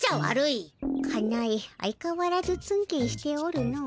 かなえ相かわらずツンケンしておるの。